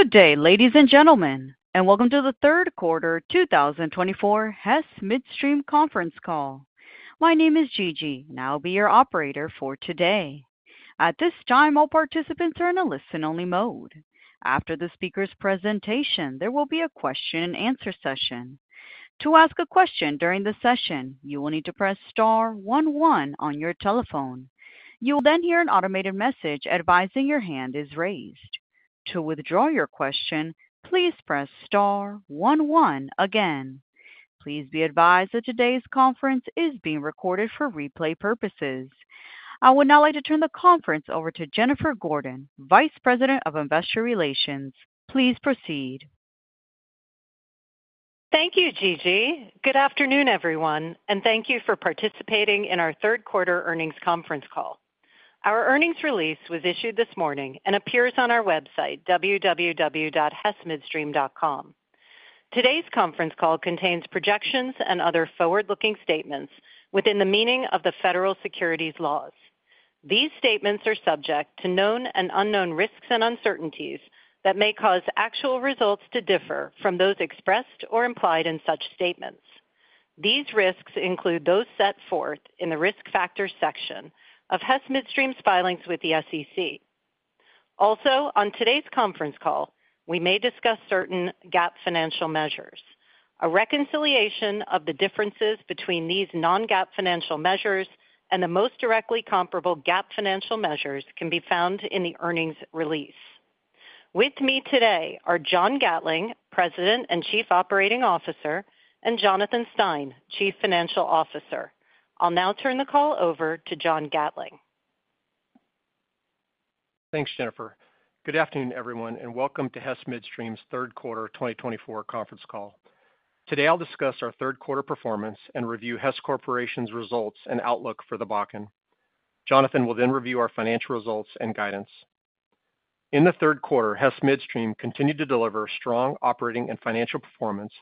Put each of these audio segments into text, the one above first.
Good day, ladies and gentlemen, and welcome to the third quarter 2024 Hess Midstream conference call. My name is Gigi, and I'll be your operator for today. At this time, all participants are in a listen-only mode. After the speaker's presentation, there will be a question-and-answer session. To ask a question during the session, you will need to press star 11 on your telephone. You will then hear an automated message advising your hand is raised. To withdraw your question, please press star 11 again. Please be advised that today's conference is being recorded for replay purposes. I would now like to turn the conference over to Jennifer Gordon, Vice President of Investor Relations. Please proceed. Thank you, Gigi. Good afternoon, everyone, and thank you for participating in our third quarter earnings conference call. Our earnings release was issued this morning and appears on our website, www.hessmidstream.com. Today's conference call contains projections and other forward-looking statements within the meaning of the federal securities laws. These statements are subject to known and unknown risks and uncertainties that may cause actual results to differ from those expressed or implied in such statements. These risks include those set forth in the risk factors section of Hess Midstream's filings with the SEC. Also, on today's conference call, we may discuss certain GAAP financial measures. A reconciliation of the differences between these non-GAAP financial measures and the most directly comparable GAAP financial measures can be found in the earnings release. With me today are John Gatling, President and Chief Operating Officer, and Jonathan Stein, Chief Financial Officer. I'll now turn the call over to John Gatling. Thanks, Jennifer. Good afternoon, everyone, and welcome to Hess Midstream's third quarter 2024 conference call. Today, I'll discuss our third quarter performance and review Hess Corporation's results and outlook for the Bakken. Jonathan will then review our financial results and guidance. In the third quarter, Hess Midstream continued to deliver strong operating and financial performance,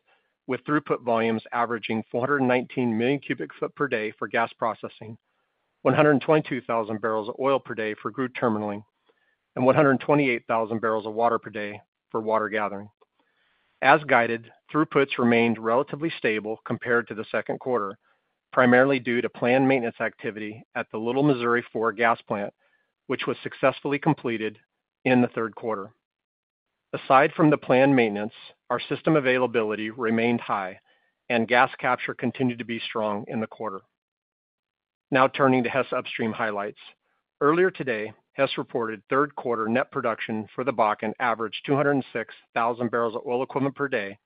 with throughput volumes averaging 419 million cubic feet per day for gas processing, 122,000 barrels of oil per day for crude terminaling, and 128,000 barrels of water per day for water gathering. As guided, throughputs remained relatively stable compared to the second quarter, primarily due to planned maintenance activity at the Little Missouri 4 gas plant, which was successfully completed in the third quarter. Aside from the planned maintenance, our system availability remained high, and gas capture continued to be strong in the quarter. Now turning to Hess Upstream highlights. Earlier today, Hess reported third quarter net production for the Bakken averaged 206,000 barrels of oil equivalent per day,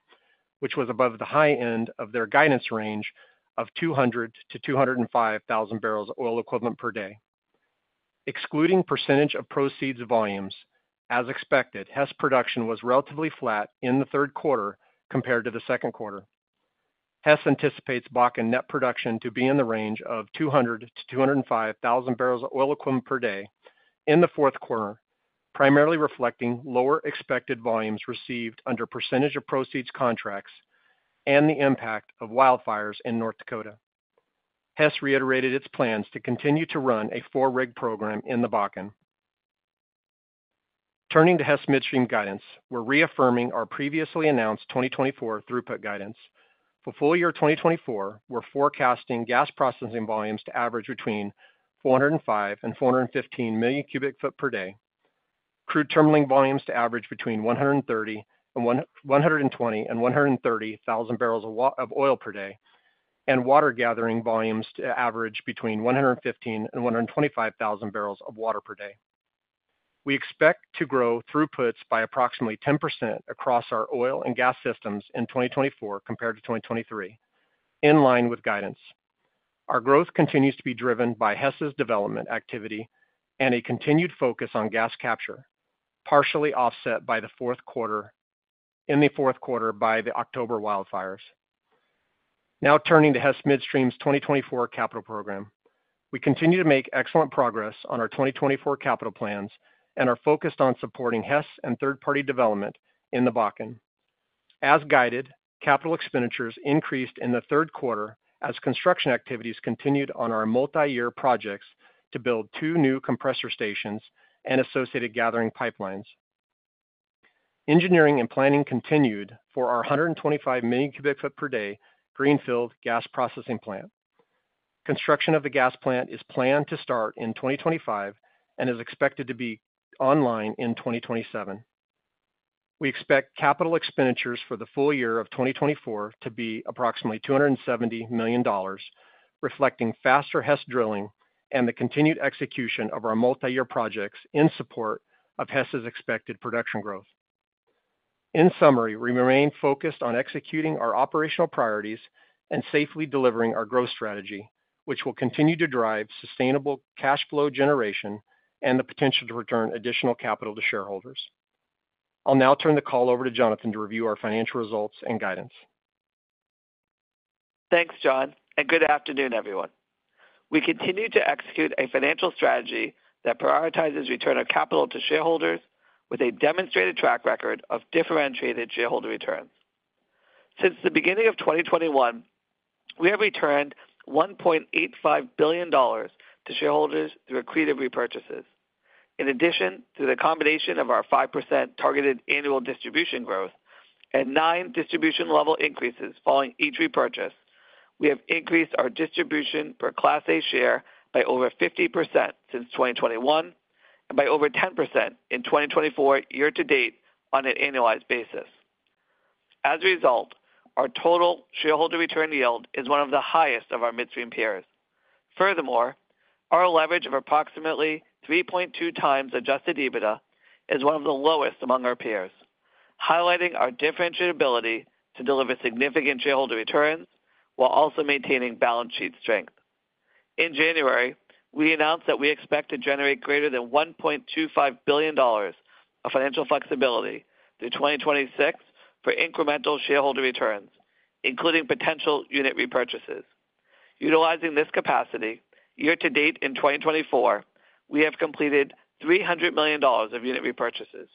which was above the high end of their guidance range of 200,000-205,000 barrels of oil equivalent per day. Excluding percentage of proceeds volumes, as expected, Hess production was relatively flat in the third quarter compared to the second quarter. Hess anticipates Bakken net production to be in the range of 200,000-205,000 barrels of oil equivalent per day in the fourth quarter, primarily reflecting lower expected volumes received under percentage of proceeds contracts and the impact of wildfires in North Dakota. Hess reiterated its plans to continue to run a four-rig program in the Bakken. Turning to Hess Midstream guidance, we're reaffirming our previously announced 2024 throughput guidance. For full year 2024, we're forecasting gas processing volumes to average between 405,000 and 415,000 million cubic feet per day, crude terminaling volumes to average between 120,000 and 130,000 barrels of oil per day, and water gathering volumes to average between 115,000 and 125,000 barrels of water per day. We expect to grow throughputs by approximately 10% across our oil and gas systems in 2024 compared to 2023, in line with guidance. Our growth continues to be driven by Hess's development activity and a continued focus on gas capture, partially offset in the fourth quarter by the October wildfires. Now turning to Hess Midstream's 2024 capital program, we continue to make excellent progress on our 2024 capital plans and are focused on supporting Hess and third-party development in the Bakken. As guided, capital expenditures increased in the third quarter as construction activities continued on our multi-year projects to build two new compressor stations and associated gathering pipelines. Engineering and planning continued for our 125 million cubic feet per day greenfield gas processing plant. Construction of the gas plant is planned to start in 2025 and is expected to be online in 2027. We expect capital expenditures for the full year of 2024 to be approximately $270 million, reflecting faster Hess drilling and the continued execution of our multi-year projects in support of Hess's expected production growth. In summary, we remain focused on executing our operational priorities and safely delivering our growth strategy, which will continue to drive sustainable cash flow generation and the potential to return additional capital to shareholders. I'll now turn the call over to Jonathan to review our financial results and guidance. Thanks, John, and good afternoon, everyone. We continue to execute a financial strategy that prioritizes return of capital to shareholders, with a demonstrated track record of differentiated shareholder returns. Since the beginning of 2021, we have returned $1.85 billion to shareholders through accretive repurchases. In addition, through the combination of our 5% targeted annual distribution growth and nine distribution level increases following each repurchase, we have increased our distribution per Class A share by over 50% since 2021 and by over 10% in 2024 year to date on an annualized basis. As a result, our total shareholder return yield is one of the highest of our midstream peers. Furthermore, our leverage of approximately 3.2 times Adjusted EBITDA is one of the lowest among our peers, highlighting our differentiated ability to deliver significant shareholder returns while also maintaining balance sheet strength. In January, we announced that we expect to generate greater than $1.25 billion of financial flexibility through 2026 for incremental shareholder returns, including potential unit repurchases. Utilizing this capacity, year to date in 2024, we have completed $300 million of unit repurchases,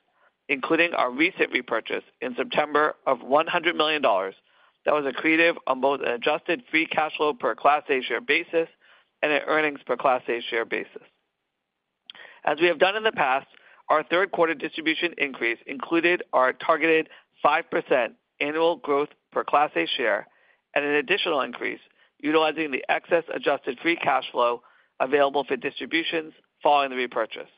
including our recent repurchase in September of $100 million that was accretive on both an Adjusted Free Cash Flow per Class A Share basis and an earnings per Class A Share basis. As we have done in the past, our third quarter distribution increase included our targeted 5% annual growth per Class A Share and an additional increase utilizing the excess Adjusted Free Cash Flow available for distributions following the repurchase.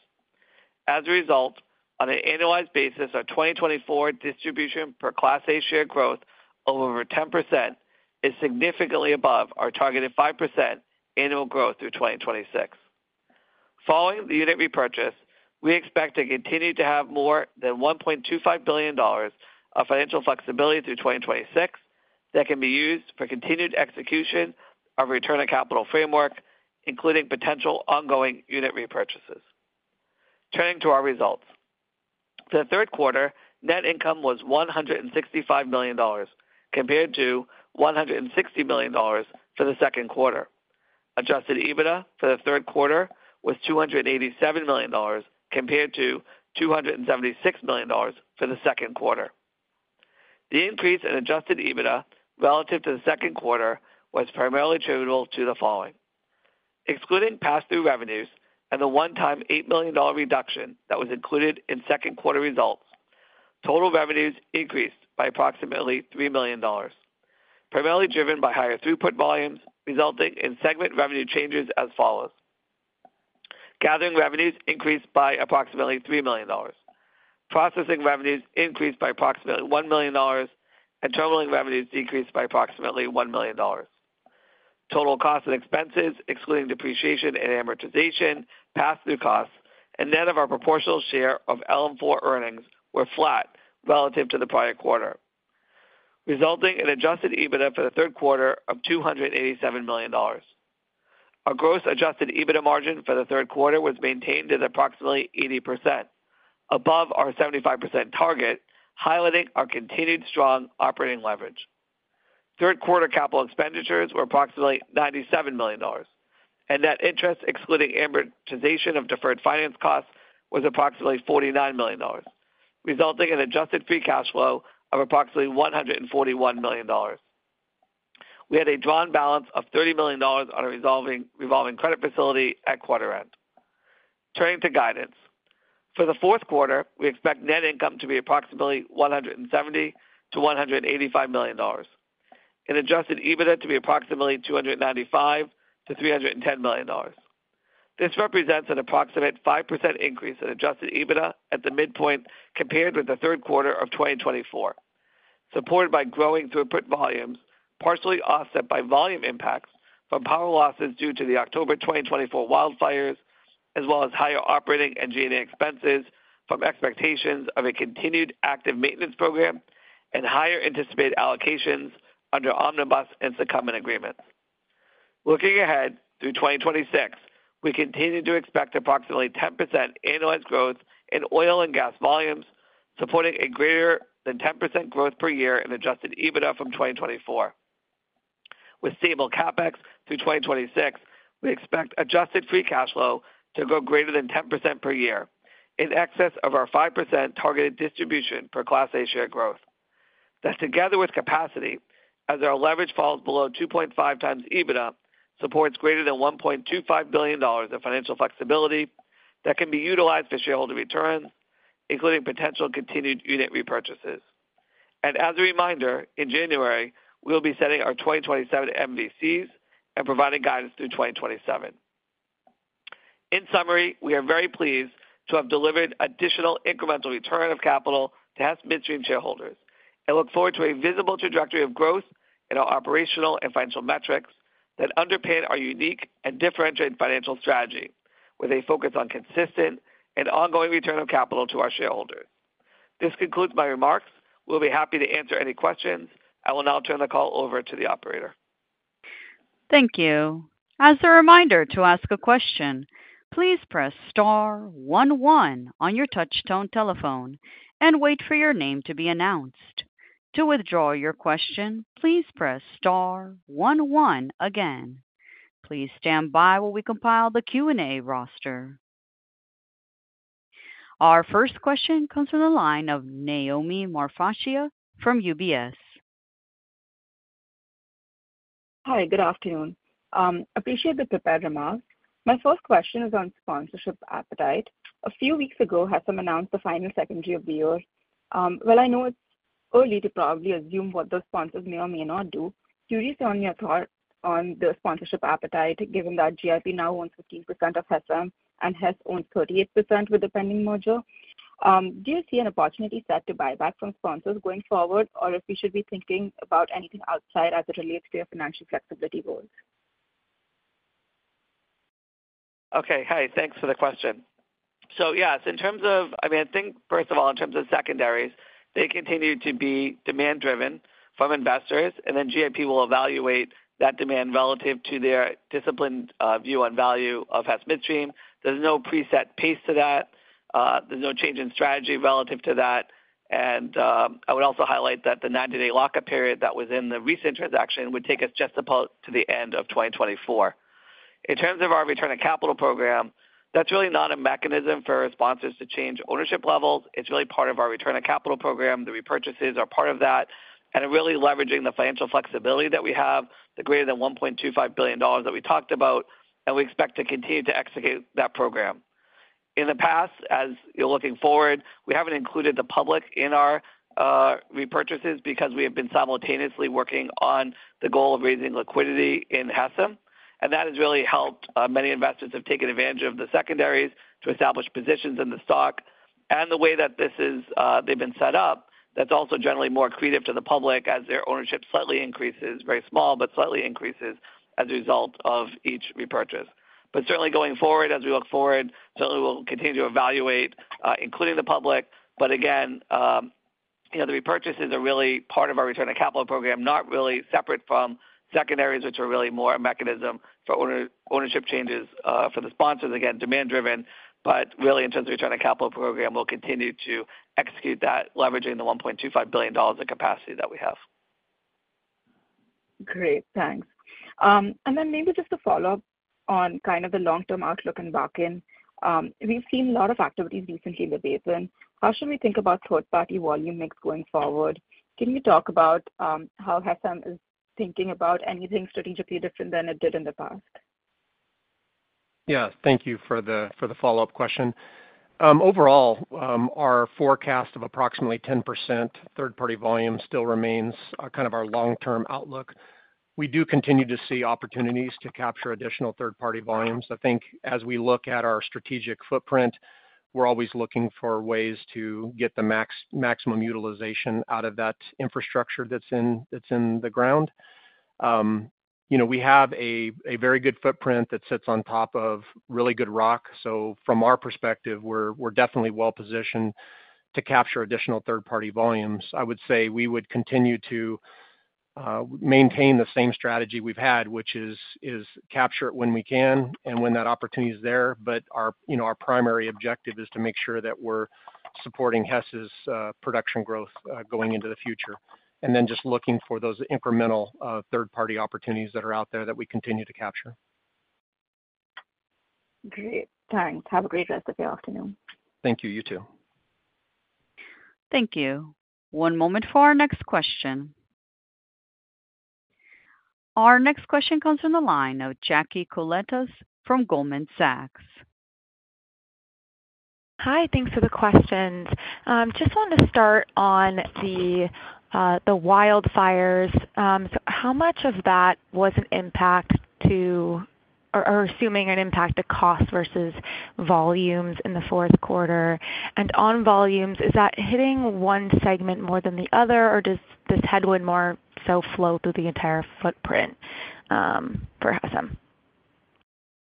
As a result, on an annualized basis, our 2024 distribution per Class A Share growth of over 10% is significantly above our targeted 5% annual growth through 2026. Following the unit repurchase, we expect to continue to have more than $1.25 billion of financial flexibility through 2026 that can be used for continued execution of return of capital framework, including potential ongoing unit repurchases. Turning to our results, for the third quarter, Net Income was $165 million compared to $160 million for the second quarter. Adjusted EBITDA for the third quarter was $287 million compared to $276 million for the second quarter. The increase in Adjusted EBITDA relative to the second quarter was primarily attributable to the following. Excluding pass-through revenues and the one-time $8 million reduction that was included in second quarter results, total revenues increased by approximately $3 million, primarily driven by higher throughput volumes, resulting in segment revenue changes as follows. Gathering revenues increased by approximately $3 million. Processing revenues increased by approximately $1 million, and terminaling revenues decreased by approximately $1 million. Total costs and expenses, excluding depreciation and amortization, pass-through costs, and net of our proportional share of LM4 earnings were flat relative to the prior quarter, resulting in adjusted EBITDA for the third quarter of $287 million. Our gross adjusted EBITDA margin for the third quarter was maintained at approximately 80%, above our 75% target, highlighting our continued strong operating leverage. Third quarter capital expenditures were approximately $97 million, and net interest, excluding amortization of deferred finance costs, was approximately $49 million, resulting in Adjusted Free Cash Flow of approximately $141 million. We had a drawn balance of $30 million on a revolving credit facility at quarter end. Turning to guidance, for the fourth quarter, we expect net income to be approximately $170-$185 million, and adjusted EBITDA to be approximately $295-$310 million. This represents an approximate 5% increase in adjusted EBITDA at the midpoint compared with the third quarter of 2024, supported by growing throughput volumes, partially offset by volume impacts from power losses due to the October 2024 wildfires, as well as higher operating and G&A expenses from expectations of a continued active maintenance program and higher anticipated allocations under omnibus and secondment agreements. Looking ahead through 2026, we continue to expect approximately 10% annualized growth in oil and gas volumes, supporting a greater than 10% growth per year in adjusted EBITDA from 2024. With stable CapEx through 2026, we expect Adjusted Free Cash Flow to grow greater than 10% per year in excess of our 5% targeted distribution per class A share growth. That's together with capacity, as our leverage falls below 2.5 times EBITDA, supports greater than $1.25 billion of financial flexibility that can be utilized for shareholder returns, including potential continued unit repurchases. And as a reminder, in January, we will be setting our 2027 MVCs and providing guidance through 2027. In summary, we are very pleased to have delivered additional incremental return of capital to Hess Midstream shareholders and look forward to a visible trajectory of growth in our operational and financial metrics that underpin our unique and differentiated financial strategy, with a focus on consistent and ongoing return of capital to our shareholders. This concludes my remarks. We'll be happy to answer any questions. I will now turn the call over to the operator. Thank you. As a reminder to ask a question, please press star 11 on your touchtone telephone and wait for your name to be announced. To withdraw your question, please press star 11 again. Please stand by while we compile the Q&A roster. Our first question comes from the line of Naomi Morfaccia from UBS. Hi, good afternoon. I appreciate the prepared remarks. My first question is on sponsorship appetite. A few weeks ago, Hess announced the final second year of the year. While I know it's early to probably assume what those sponsors may or may not do, curious on your thought on the sponsorship appetite, given that GIP now owns 15% of Hess and Hess owns 38% with the pending merger. Do you see an opportunity set to buy back from sponsors going forward, or if we should be thinking about anything outside as it relates to your financial flexibility goals? Okay, hi, thanks for the question. So yes, in terms of, I mean, I think first of all, in terms of secondaries, they continue to be demand-driven from investors, and then GIP will evaluate that demand relative to their disciplined view on value of Hess Midstream. There's no preset pace to that. There's no change in strategy relative to that. And I would also highlight that the 90-day lockup period that was in the recent transaction would take us just about to the end of 2024. In terms of our return of capital program, that's really not a mechanism for sponsors to change ownership levels. It's really part of our return of capital program. The repurchases are part of that, and it really leveraging the financial flexibility that we have, the greater than $1.25 billion that we talked about, and we expect to continue to execute that program. In the past, as you're looking forward, we haven't included the public in our repurchases because we have been simultaneously working on the goal of raising liquidity in Hess, and that has really helped. Many investors have taken advantage of the secondaries to establish positions in the stock, and the way that this is, they've been set up, that's also generally more accretive to the public as their ownership slightly increases, very small, but slightly increases as a result of each repurchase. But certainly going forward, as we look forward, certainly we'll continue to evaluate, including the public. But again, you know, the repurchases are really part of our return of capital program, not really separate from secondaries, which are really more a mechanism for ownership changes for the sponsors. Again, demand-driven, but really in terms of return of capital program, we'll continue to execute that, leveraging the $1.25 billion of capacity that we have. Great, thanks. And then maybe just a follow-up on kind of the long-term outlook in Bakken. We've seen a lot of activities recently in the basin. How should we think about third-party volume mix going forward? Can you talk about how Hess is thinking about anything strategically different than it did in the past? Yeah, thank you for the follow-up question. Overall, our forecast of approximately 10% third-party volume still remains kind of our long-term outlook. We do continue to see opportunities to capture additional third-party volumes. I think as we look at our strategic footprint, we're always looking for ways to get the maximum utilization out of that infrastructure that's in the ground. You know, we have a very good footprint that sits on top of really good rock. So from our perspective, we're definitely well positioned to capture additional third-party volumes. I would say we would continue to maintain the same strategy we've had, which is capture it when we can and when that opportunity is there. But our primary objective is to make sure that we're supporting Hess's production growth going into the future, and then just looking for those incremental third-party opportunities that are out there that we continue to capture. Great, thanks. Have a great rest of your afternoon. Thank you, you too. Thank you. One moment for our next question. Our next question comes from the line of Jackie Coletta from Goldman Sachs. Hi, thanks for the questions. Just want to start on the wildfires. How much of that was an impact to, or assuming an impact to cost versus volumes in the fourth quarter? And on volumes, is that hitting one segment more than the other, or does this headwind more so flow through the entire footprint for Hess?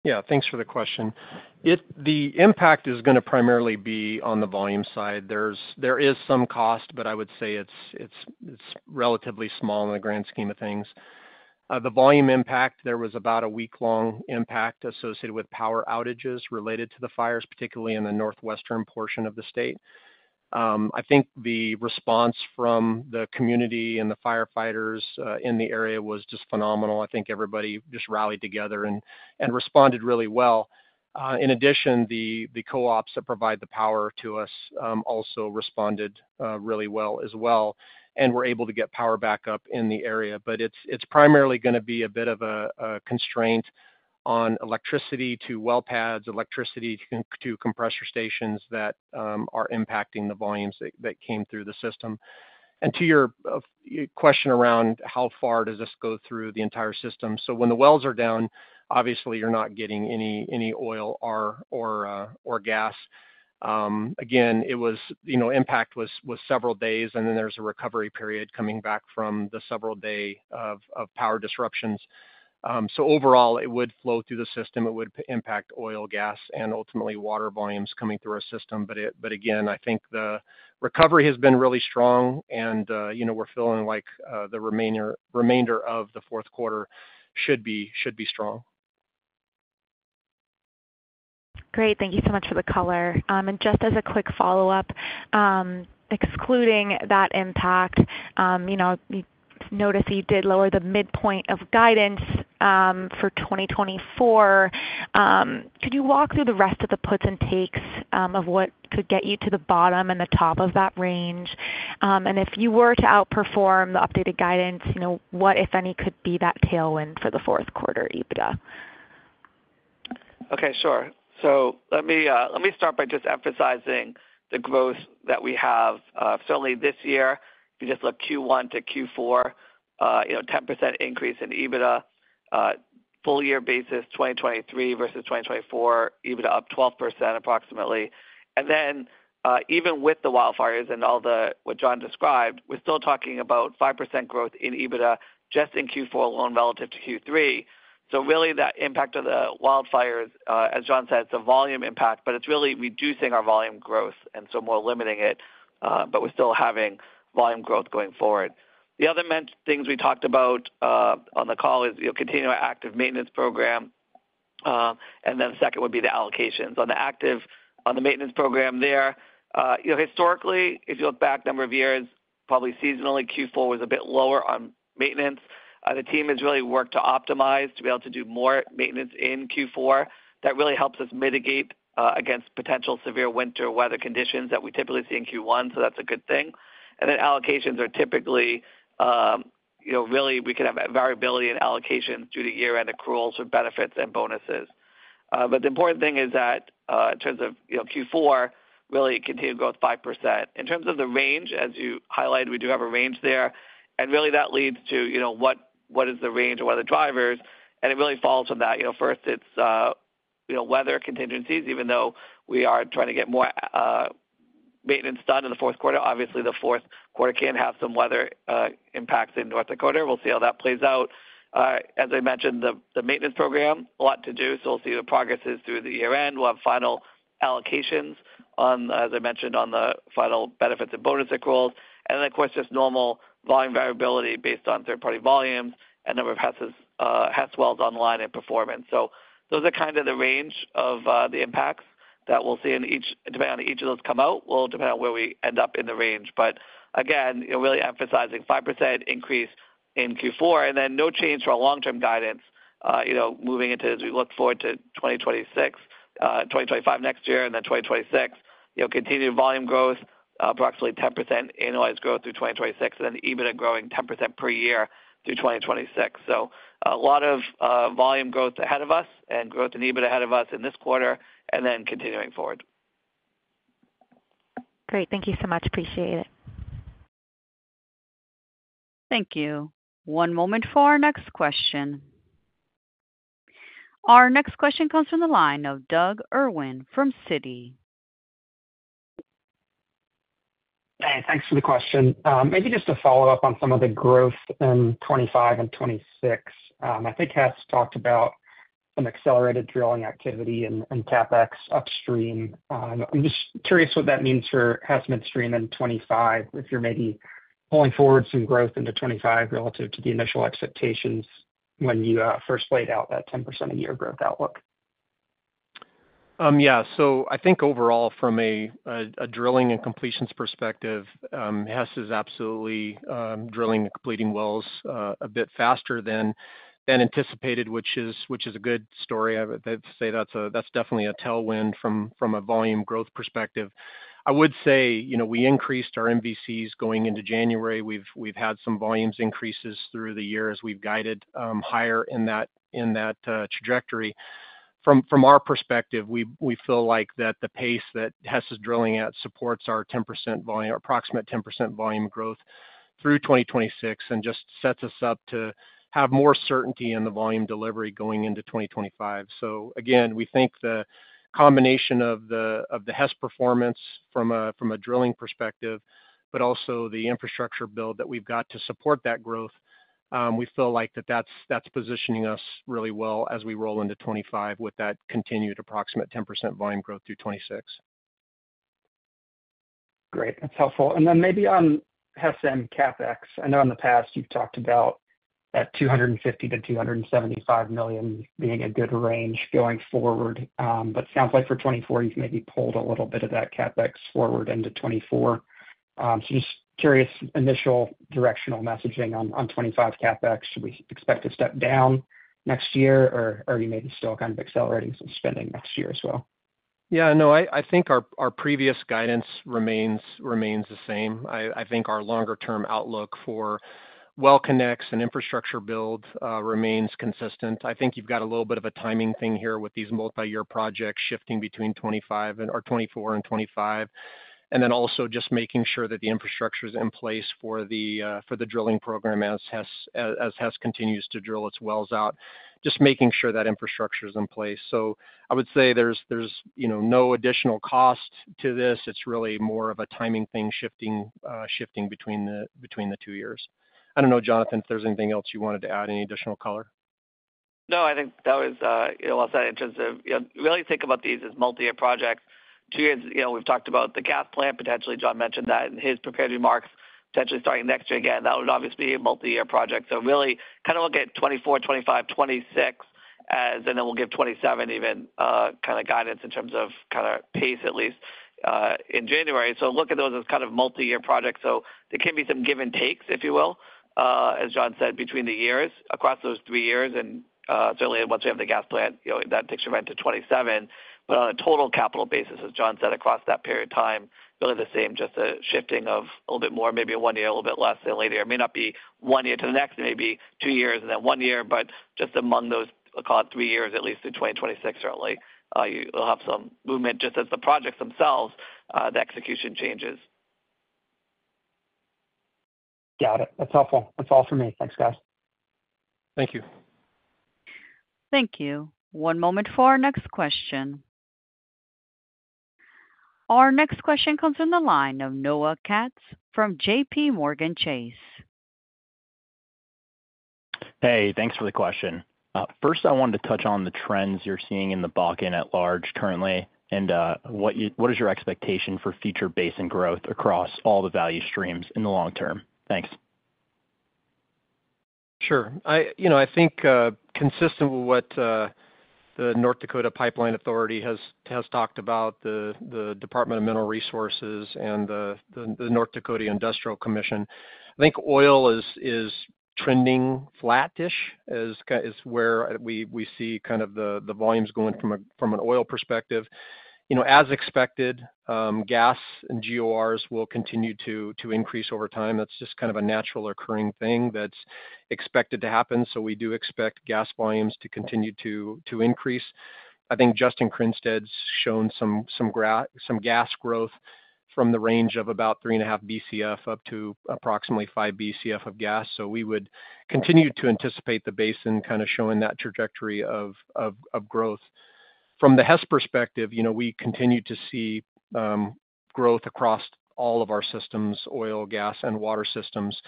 Yeah, thanks for the question. The impact is going to primarily be on the volume side. There is some cost, but I would say it's relatively small in the grand scheme of things. The volume impact, there was about a week-long impact associated with power outages related to the fires, particularly in the northwestern portion of the state. I think the response from the community and the firefighters in the area was just phenomenal. I think everybody just rallied together and responded really well. In addition, the co-ops that provide the power to us also responded really well as well and were able to get power back up in the area. But it's primarily going to be a bit of a constraint on electricity to well pads, electricity to compressor stations that are impacting the volumes that came through the system. To your question around how far does this go through the entire system, so when the wells are down, obviously you're not getting any oil or gas. Again, it was, you know, impact was several days, and then there's a recovery period coming back from the several days of power disruptions. So overall, it would flow through the system. It would impact oil, gas, and ultimately water volumes coming through our system. But again, I think the recovery has been really strong, and you know, we're feeling like the remainder of the fourth quarter should be strong. Great, thank you so much for the color. And just as a quick follow-up, excluding that impact, you know, notice you did lower the midpoint of guidance for 2024. Could you walk through the rest of the puts and takes of what could get you to the bottom and the top of that range? And if you were to outperform the updated guidance, you know, what, if any, could be that tailwind for the fourth quarter EBITDA? Okay, sure. So let me start by just emphasizing the growth that we have. Certainly this year, if you just look Q1 to Q4, you know, 10% increase in EBITDA full year basis, 2023 versus 2024, EBITDA up 12% approximately. And then even with the wildfires and all the what John described, we're still talking about 5% growth in EBITDA just in Q4 alone relative to Q3. So really that impact of the wildfires, as John said, it's a volume impact, but it's really reducing our volume growth and so more limiting it, but we're still having volume growth going forward. The other things we talked about on the call is, you know, continue our active maintenance program, and then the second would be the allocations. On the activity on the maintenance program there, you know, historically, if you look back a number of years, probably seasonally, Q4 was a bit lower on maintenance. The team has really worked to optimize to be able to do more maintenance in Q4. That really helps us mitigate against potential severe winter weather conditions that we typically see in Q1, so that's a good thing, and then allocations are typically, you know, really we can have variability in allocations due to year-end accruals for benefits and bonuses, but the important thing is that in terms of, you know, Q4, really continue growth 5%. In terms of the range, as you highlighted, we do have a range there, and really that leads to, you know, what is the range or what are the drivers, and it really falls from that. You know, first, it's, you know, weather contingencies, even though we are trying to get more maintenance done in the fourth quarter. Obviously, the fourth quarter can have some weather impacts in North Dakota. We'll see how that plays out. As I mentioned, the maintenance program, a lot to do, so we'll see the progresses through the year-end. We'll have final allocations on, as I mentioned, on the final benefits and bonus accruals. And then, of course, just normal volume variability based on third-party volumes and number of Hess wells online and performance. So those are kind of the range of the impacts that we'll see in each, depending on each of those come out, will depend on where we end up in the range. But again, you know, really emphasizing 5% increase in Q4, and then no change for our long-term guidance, you know, moving into, as we look forward to 2025 next year, and then 2026, you know, continued volume growth, approximately 10% annualized growth through 2026, and then EBITDA growing 10% per year through 2026. So a lot of volume growth ahead of us and growth in EBITDA ahead of us in this quarter and then continuing forward. Great, thank you so much. Appreciate it. Thank you. One moment for our next question. Our next question comes from the line of Doug Irwin from Citi. Hey, thanks for the question. Maybe just to follow up on some of the growth in 2025 and 2026. I think Hess talked about some accelerated drilling activity and CapEx upstream. I'm just curious what that means for Hess Midstream in 2025, if you're maybe pulling forward some growth into 2025 relative to the initial expectations when you first laid out that 10% a year growth outlook. Yeah, so I think overall, from a drilling and completions perspective, Hess is absolutely drilling and completing wells a bit faster than anticipated, which is a good story. I would say that's definitely a tailwind from a volume growth perspective. I would say, you know, we increased our MVCs going into January. We've had some volumes increases through the year as we've guided higher in that trajectory. From our perspective, we feel like that the pace that Hess is drilling at supports our 10% volume, approximate 10% volume growth through 2026, and just sets us up to have more certainty in the volume delivery going into 2025. So again, we think the combination of the Hess performance from a drilling perspective, but also the infrastructure build that we've got to support that growth, we feel like that's positioning us really well as we roll into 2025 with that continued approximate 10% volume growth through 2026. Great, that's helpful. And then maybe on Hess and CapEx, I know in the past you've talked about that $250 million-$275 million being a good range going forward, but it sounds like for 2024 you've maybe pulled a little bit of that CapEx forward into 2024. So just curious, initial directional messaging on 2025 CapEx, should we expect to step down next year, or are you maybe still kind of accelerating some spending next year as well? Yeah, no, I think our previous guidance remains the same. I think our longer-term outlook for well connects and infrastructure build remains consistent. I think you've got a little bit of a timing thing here with these multi-year projects shifting between 2025 and or 2024 and 2025, and then also just making sure that the infrastructure is in place for the drilling program as Hess continues to drill its wells out, just making sure that infrastructure is in place. So I would say there's, you know, no additional cost to this. It's really more of a timing thing, shifting between the two years. I don't know, Jonathan, if there's anything else you wanted to add, any additional color? No, I think that was, you know, what I said in terms of, you know, really think about these as multi-year projects. Two years, you know, we've talked about the gas plant potentially. John mentioned that in his prepared remarks, potentially starting next year again. That would obviously be a multi-year project. So really kind of look at 2024, 2025, 2026, and then we'll give 2027 even kind of guidance in terms of kind of pace at least in January. So look at those as kind of multi-year projects. So there can be some give and takes, if you will, as John said, between the years across those three years. And certainly once we have the gas plant, you know, that takes us to 2027. But on a total capital basis, as John said, across that period of time, really the same, just a shifting of a little bit more, maybe one year, a little bit less than a later year. May not be one year to the next, maybe two years and then one year, but just among those, call it three years at least through 2026. Certainly you'll have some movement just as the projects themselves, the execution changes. Got it. That's helpful. That's all for me. Thanks, guys. Thank you. Thank you. One moment for our next question. Our next question comes from the line of Noah Katz from J.P. Morgan Chase. Hey, thanks for the question. First, I wanted to touch on the trends you're seeing in the Bakken at large currently, and what is your expectation for future base and growth across all the value streams in the long term? Thanks. Sure. I, you know, I think consistent with what the North Dakota Pipeline Authority has talked about, the Department of Mineral Resources and the North Dakota Industrial Commission, I think oil is trending flat-ish is where we see kind of the volumes going from an oil perspective. You know, as expected, gas and GORs will continue to increase over time. That's just kind of a natural occurring thing that's expected to happen. So we do expect gas volumes to continue to increase. I think Justin Kringstad's shown some gas growth from the range of about three and a half BCF up to approximately five BCF of gas. So we would continue to anticipate the basin kind of showing that trajectory of growth. From the Hess perspective, you know, we continue to see growth across all of our systems, oil, gas, and water systems.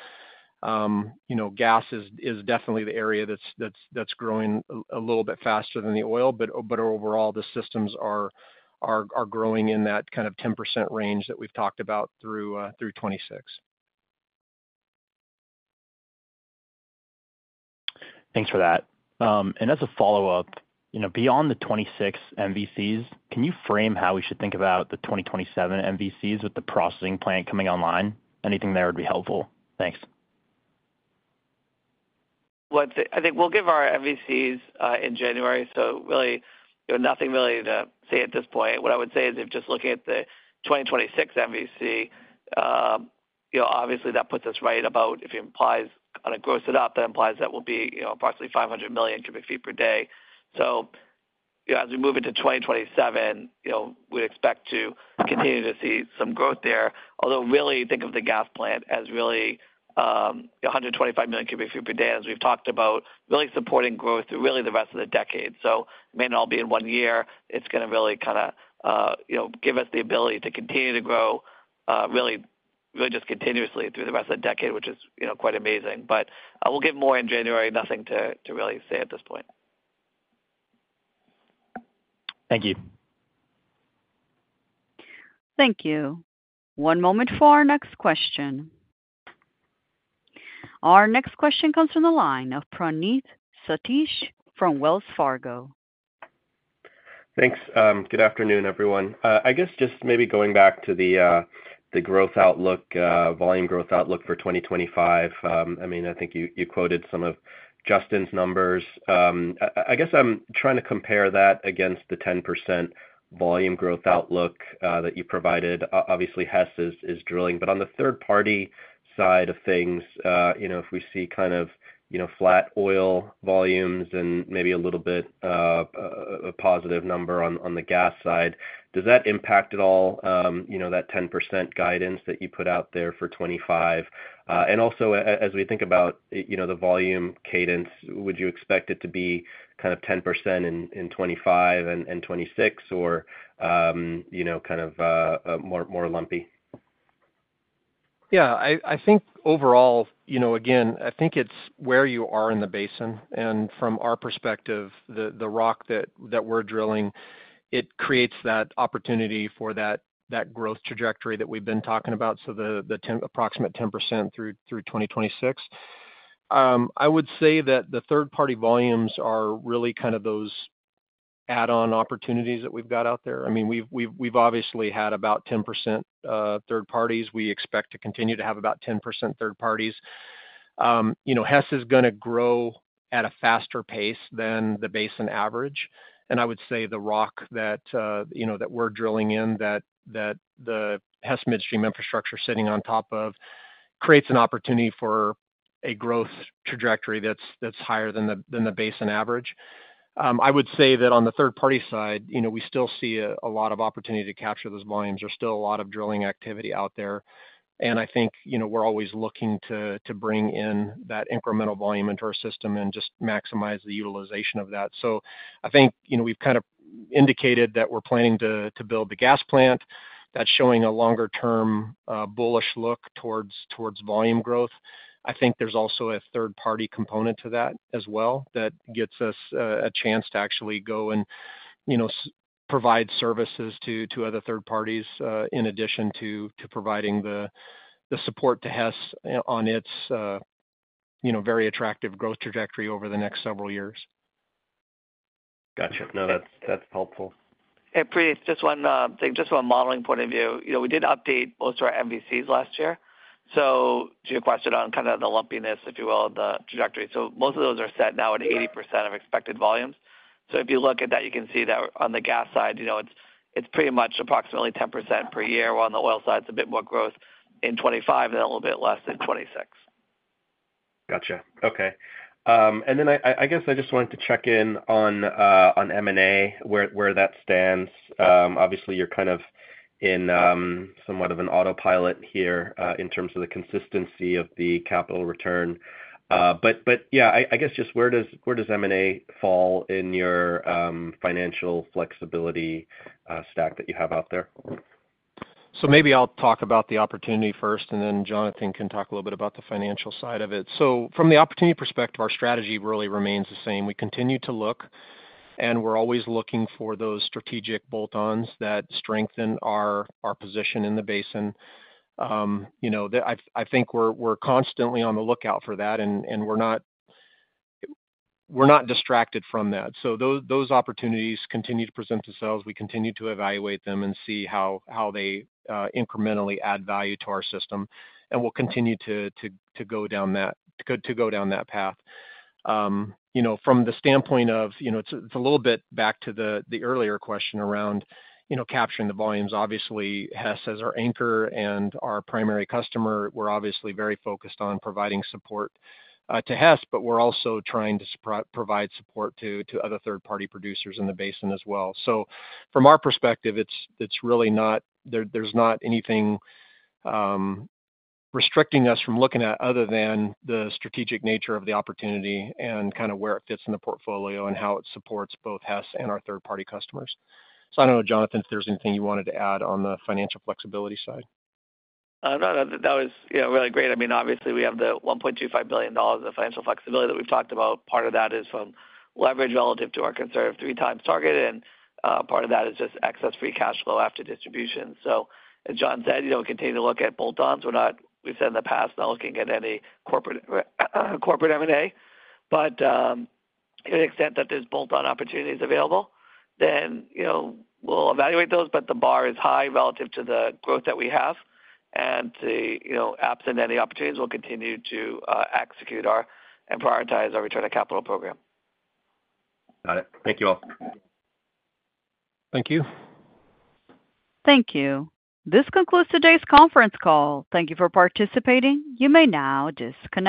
You know, gas is definitely the area that's growing a little bit faster than the oil, but overall the systems are growing in that kind of 10% range that we've talked about through 2026. Thanks for that. And as a follow-up, you know, beyond the 2026 MVCs, can you frame how we should think about the 2027 MVCs with the processing plant coming online? Anything there would be helpful. Thanks. I think we'll give our MVCs in January, so really, you know, nothing really to say at this point. What I would say is, if just looking at the 2026 MVC, you know, obviously that puts us right about if it implies kind of gross it up, that implies that we'll be, you know, approximately 500 million cubic feet per day. As we move into 2027, you know, we expect to continue to see some growth there, although really think of the gas plant as really 125 million cubic feet per day, as we've talked about, really supporting growth through really the rest of the decade. It may not all be in one year. It's going to really kind of, you know, give us the ability to continue to grow really, really just continuously through the rest of the decade, which is, you know, quite amazing. But we'll get more in January. Nothing to really say at this point. Thank you. Thank you. One moment for our next question. Our next question comes from the line of Praneeth Satish from Wells Fargo. Thanks. Good afternoon, everyone. I guess just maybe going back to the growth outlook, volume growth outlook for 2025, I mean, I think you quoted some of Justin's numbers. I guess I'm trying to compare that against the 10% volume growth outlook that you provided. Obviously, Hess is drilling, but on the third-party side of things, you know, if we see kind of, you know, flat oil volumes and maybe a little bit of a positive number on the gas side, does that impact at all, you know, that 10% guidance that you put out there for 2025? And also, as we think about, you know, the volume cadence, would you expect it to be kind of 10% in 2025 and 2026 or, you know, kind of more lumpy? Yeah, I think overall, you know, again, I think it's where you are in the basin. And from our perspective, the rock that we're drilling, it creates that opportunity for that growth trajectory that we've been talking about, so the approximate 10% through 2026. I would say that the third-party volumes are really kind of those add-on opportunities that we've got out there. I mean, we've obviously had about 10% third parties. We expect to continue to have about 10% third parties. You know, Hess is going to grow at a faster pace than the basin average. And I would say the rock that, you know, that we're drilling in, that the Hess Midstream infrastructure sitting on top of creates an opportunity for a growth trajectory that's higher than the basin average. I would say that on the third-party side, you know, we still see a lot of opportunity to capture those volumes. There's still a lot of drilling activity out there, and I think, you know, we're always looking to bring in that incremental volume into our system and just maximize the utilization of that, so I think, you know, we've kind of indicated that we're planning to build the gas plant. That's showing a longer-term bullish look towards volume growth. I think there's also a third-party component to that as well that gets us a chance to actually go and, you know, provide services to other third parties in addition to providing the support to Hess on its, you know, very attractive growth trajectory over the next several years. Gotcha. No, that's helpful. Hey, Praneeth, just one thing. Just from a modeling point of view, you know, we did update most of our MVCs last year. So to your question on kind of the lumpiness, if you will, of the trajectory, so most of those are set now at 80% of expected volumes. So if you look at that, you can see that on the gas side, you know, it's pretty much approximately 10% per year, while on the oil side, it's a bit more growth in 2025 and a little bit less in 2026. Gotcha. Okay. And then I guess I just wanted to check in on M&A, where that stands. Obviously, you're kind of in somewhat of an autopilot here in terms of the consistency of the capital return. But yeah, I guess just where does M&A fall in your financial flexibility stack that you have out there? So maybe I'll talk about the opportunity first, and then Jonathan can talk a little bit about the financial side of it. So from the opportunity perspective, our strategy really remains the same. We continue to look, and we're always looking for those strategic bolt-ons that strengthen our position in the basin. You know, I think we're constantly on the lookout for that, and we're not distracted from that. So those opportunities continue to present themselves. We continue to evaluate them and see how they incrementally add value to our system. And we'll continue to go down that path. You know, from the standpoint of, you know, it's a little bit back to the earlier question around, you know, capturing the volumes. Obviously, Hess as our anchor and our primary customer, we're obviously very focused on providing support to Hess, but we're also trying to provide support to other third-party producers in the basin as well. So from our perspective, it's really not, there's not anything restricting us from looking at other than the strategic nature of the opportunity and kind of where it fits in the portfolio and how it supports both Hess and our third-party customers. So I don't know, Jonathan, if there's anything you wanted to add on the financial flexibility side. No, that was, you know, really great. I mean, obviously, we have the $1.25 billion of financial flexibility that we've talked about. Part of that is from leverage relative to our covenant of three times target, and part of that is just excess free cash flow after distribution. So as John said, you know, we continue to look at bolt-ons. We're not, we've said in the past, not looking at any corporate M&A, but to the extent that there's bolt-on opportunities available, then, you know, we'll evaluate those, but the bar is high relative to the growth that we have, and to, you know, absent any opportunities, we'll continue to execute on and prioritize our return of capital program. Got it. Thank you all. Thank you. Thank you. This concludes today's conference call. Thank you for participating. You may now disconnect.